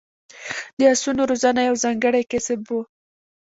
د اسونو روزنه یو ځانګړی کسب و